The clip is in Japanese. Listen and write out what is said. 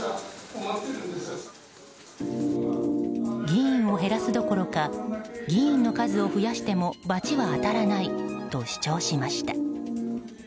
議員を減らすどころか議員の数を増やしても罰は当たらないと主張しました。